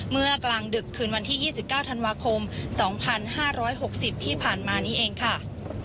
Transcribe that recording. เมื่อกลางดึกคืนวันที่๒๙ธันวาคม๒๕๖๐ที่ผ่านมานี้เองค่ะ